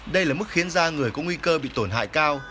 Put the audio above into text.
đây là mức khiến da người có nguy cơ bị tổn hại cao